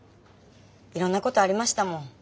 いろんなことありましたもん。